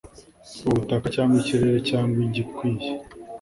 ubutaka, cyangwa ikirere, cyangwa igikwiye